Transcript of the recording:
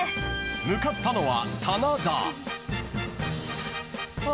［向かったのは棚田］